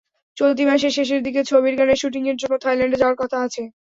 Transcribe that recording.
চলতি মাসের শেষের দিকে ছবির গানের শুটিংয়ের জন্য থাইল্যান্ডে যাওয়ার কথা আছে।